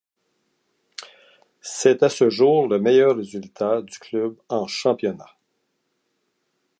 C'est à ce jour le meilleur résultat du club en championnat.